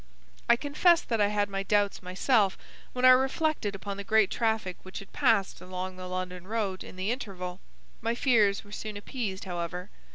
I confess that I had my doubts myself when I reflected upon the great traffic which had passed along the London road in the interval. My fears were soon appeased, however.